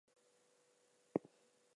The brand audit comprised five phases.